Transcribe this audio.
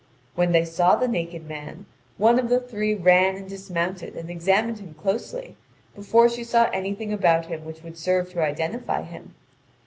When they saw the naked man, one of the three ran and dismounted and examined him closely, before she saw anything about him which would serve to identify him.